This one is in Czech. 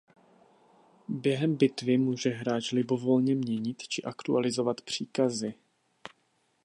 Během bitvy může hráč libovolně měnit či aktualizovat příkazy.